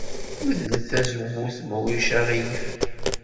Medlet tazewwut, ma ulac aɣilif.